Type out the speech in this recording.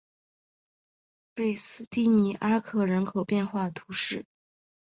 瑞斯蒂尼阿克人口变化图示